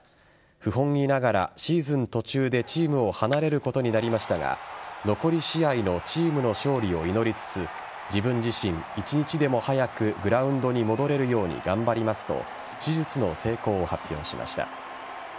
不本意ながらシーズン途中でチームを離れることになりましたが残り試合のチームの勝利を祈りつつ自分自身、一日でも早くグラウンドに戻れるように頑張りますと手術の成功を発表しました。